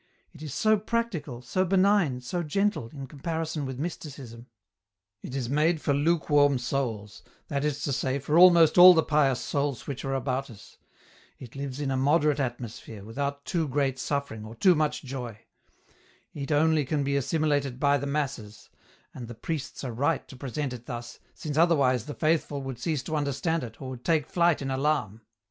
It is so practical, so benign, so gentle, in comparison with Mysticism." *' It is made for lukewarm souls — that is to say, for almost all the pious souls which are about us ; it lives in a moderate atmosphere, without too great suffering or too much joy ; it only can be assimilated by the masses, and the priests are right to present it thus, since otherwise the faithful would cease to understand it, or would take flight in alarm."